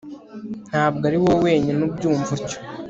Ntabwo ari wowe wenyine ubyumva utyo